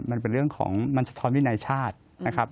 มันเป็นเรื่องของมันสะท้อนวินัยชาตินะครับ